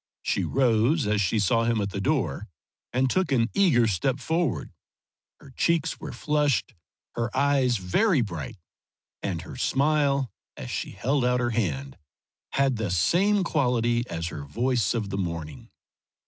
She rose as she saw him at the door and took an eager step forward. Her cheeks were flushed, her eyes very bright, and her smile, as she held out her hand, had that same quality as her voice of the morning.